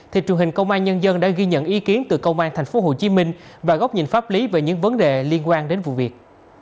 thì trường hình công an nhân dân đã ghi nhận ý kiến từ công an thành phố hồ chí minh và góc nhìn pháp lý về những vấn đề liên quan đến vụ việc